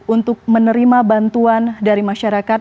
untuk menerima bantuan dari masyarakat